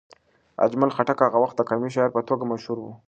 اجمل خټک هغه وخت د قامي شاعر په توګه مشهور و.